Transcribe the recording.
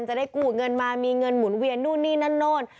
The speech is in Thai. จะได้กู้เงินมามีเงินหมุนเวียนนู่นนี่นั่นนู่น